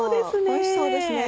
おいしそうですね！